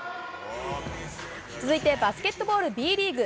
続いてバスケットボールＢリーグ。